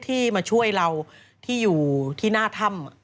ที่มาช่วยเราที่อยู่ที่หน้าถ้ำ